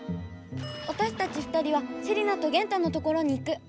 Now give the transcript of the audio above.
わたしたち２人はセリナとゲンタのところに行く！